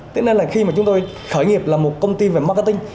thế nên là khi mà chúng tôi khởi nghiệp là một công ty về marketing